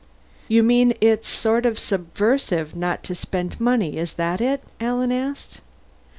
"You mean it's sort of subversive not to spend money, is that it?" Alan asked.